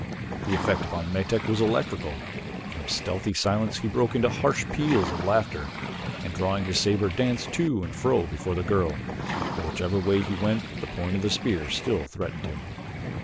The effect upon Metak was electrical. From stealthy silence he broke into harsh peals of laughter, and drawing his saber danced to and fro before the girl, but whichever way he went the point of the spear still threatened him.